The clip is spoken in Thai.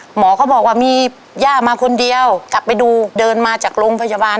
หมอเขาบอกว่ามีย่ามาคนเดียวกลับไปดูเดินมาจากโรงพยาบาล